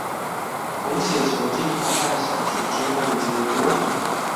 紅血球浸泡半小時之後的結果